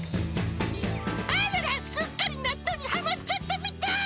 あらら、すっかり納豆にはまっちゃったみたい。